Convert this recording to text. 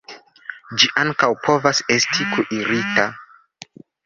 Ĝi ankaŭ povas esti kuirita.